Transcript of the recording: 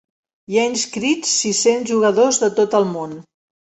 Hi ha inscrits sis-cents jugadors de tot el món.